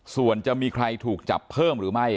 ส่วนจะมีใครถูกจับเพิ่มหรือไม่